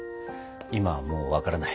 今はもう分からない。